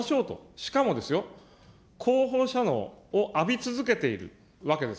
しかもですよ、高放射能を浴び続けているわけです。